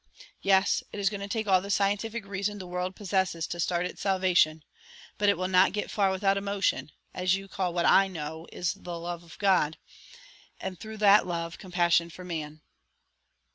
Yes, it is going to take all the scientific reason the world possesses to start its salvation, but it will not get far without 'emotion,' as you call what I know is love of God, and, through that love, compassion for man."